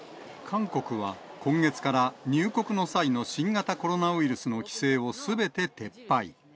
韓国は今月から、入国の際の新型コロナウイルスの規制をすべて撤廃。